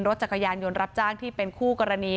จักรยานยนต์รับจ้างที่เป็นคู่กรณี